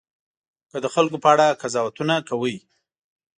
که د خلکو په اړه قضاوتونه کوئ.